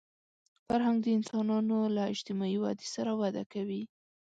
فرهنګ د انسانانو له اجتماعي ودې سره وده کوي